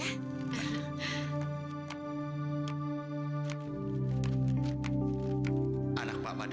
tidak apa apa nare